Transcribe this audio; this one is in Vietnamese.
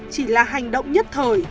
chỉ là hành động nhất thời